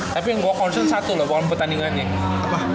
tapi yang gue concern satu loh dalam pertandingannya